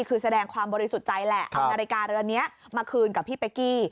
คือแสดงความบริสุทธิ์ใจแหละเอานาฬิกาเรือนนี้มาคืนกับพี่เป๊กกี้